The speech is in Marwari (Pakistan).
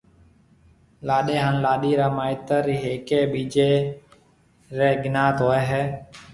لاڏيَ هانَ لاڏيِ را مائيتر هيَڪيَ ٻِيجيَ ريَ گنَيات هوئي هيَ۔